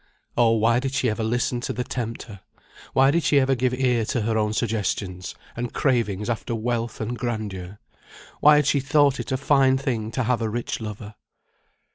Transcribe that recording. Oh, why did she ever listen to the tempter? Why did she ever give ear to her own suggestions, and cravings after wealth and grandeur? Why had she thought it a fine thing to have a rich lover?